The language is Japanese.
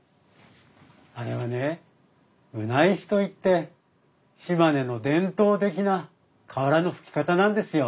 あれはね棟石といって島根の伝統的な瓦の葺き方なんですよ。